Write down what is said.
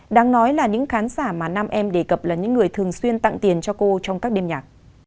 đáng nói là những khán giả mà nam em đề cập là những người thường xuyên tặng tiền cho cô trong các đêm nhạc